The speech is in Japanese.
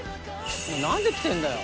「何で来てんだよ？」